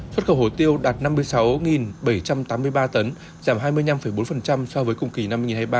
xuất khẩu hồ tiêu đạt năm mươi sáu bảy trăm tám mươi ba tấn giảm hai mươi năm bốn so với cùng kỳ năm hai nghìn hai mươi ba